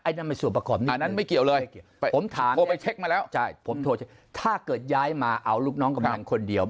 อันนั้นไม่เกี่ยวเลยผมทอไปเช็คมาแล้วผมโทรเช็คถ้าเกิดย้ายมาเอาลูกน้องกำหนังคนเดียว